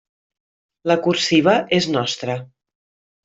La cursiva és nostra.